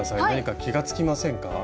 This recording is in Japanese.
何か気が付きませんか？